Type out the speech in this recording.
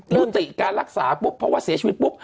ยุติการรักษาปุ๊บเพราะว่าเสียชีวิตปุ๊บ